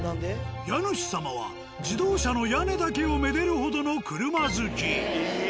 家主様は自動車の屋根だけを愛でるほどの車好き。